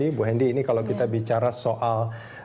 ibu hendy ini kalau kita bicara soal